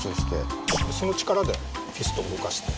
その力でピストンを動かして。